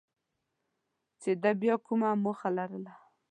چې ده بیا کومه موخه لرله.